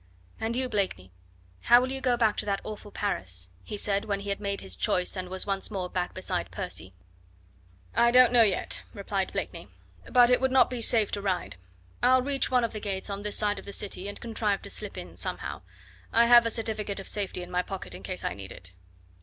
"And you, Blakeney how will you go back to that awful Paris?" he said, when he had made his choice and was once more back beside Percy. "I don't know yet," replied Blakeney, "but it would not be safe to ride. I'll reach one of the gates on this side of the city and contrive to slip in somehow. I have a certificate of safety in my pocket in case I need it.